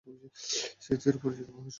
সেই চিরপরিচিত মহেশ চাকর।